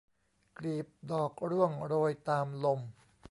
กลีบดอกร่วงโรยตามลม